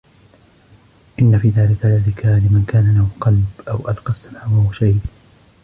إِنَّ فِي ذَلِكَ لَذِكْرَى لِمَنْ كَانَ لَهُ قَلْبٌ أَوْ أَلْقَى السَّمْعَ وَهُوَ شَهِيدٌ